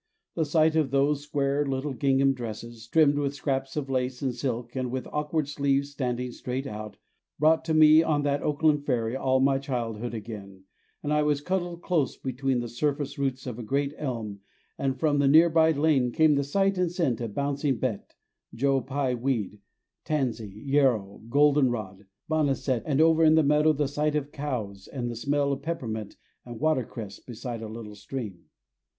The sight of those square, little, gingham dresses, trimmed with scraps of lace and silk and with awkward sleeves standing straight out, brought to me, on that Oakland ferry, all my childhood again, and I was cuddled close between the surface roots of a great elm and from the nearby lane came the sight and scent of Bouncing Bet, Joe Pye Weed, Tansy, Yarrow, Golden Rod, Boneset, and over in the meadow the sight of cows and the smell of peppermint and water cress, beside a little stream.